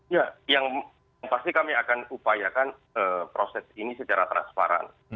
ya yang pasti kami akan upayakan proses ini secara transparan